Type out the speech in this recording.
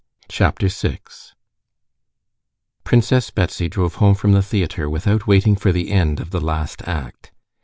Chapter 6 Princess Betsy drove home from the theater, without waiting for the end of the last act.